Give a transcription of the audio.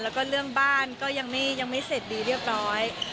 แล้วก็เรื่องบ้านก็ยังไม่เสร็จดีเรียบร้อย